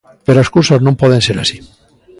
Pero as cousas non poden ser así.